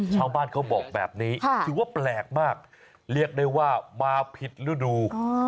ชาวบ้านเขาบอกแบบนี้ถือว่าแปลกมากเรียกได้ว่ามาผิดฤดู